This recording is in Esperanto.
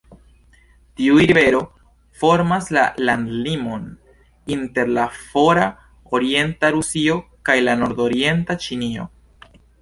Tiu rivero formas la landlimon inter la fora orienta Rusio kaj la nordorienta Ĉinio.